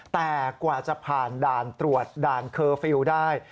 แต่กว่าจะผ่านด่านตรวจด่านเคอร์ฟิลล์ได้